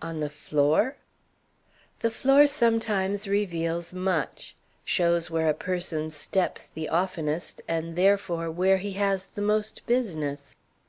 "On the floor?" "The floor sometimes reveals much: shows where a person steps the oftenest, and, therefore, where he has the most business.